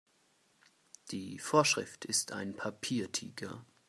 Die Vorschrift ist ein Papiertiger.